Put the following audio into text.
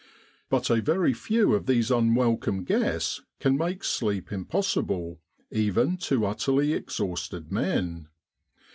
But a very few of these unwelcome guests can make sleep impossible, even to utterly exhausted men.